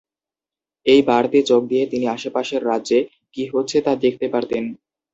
এই বাড়তি চোখ দিয়ে তিনি আশপাশের রাজ্যে কি হচ্ছে তা দেখতে পারতেন।